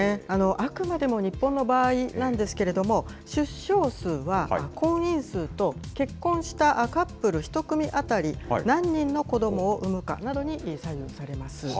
あくまでも日本の場合なんですけれども、出生数は、婚姻数と、結婚したカップル１組当たり何人の子どもを産むかなどに左右されます。